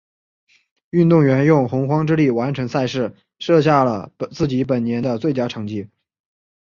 运动员用洪荒之力完成赛事，设下了自己本年的最佳成绩。